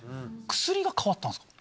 薬が変わったんすか？